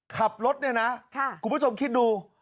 ขับรถเนี่ยนะคุณผู้ชมคิดดู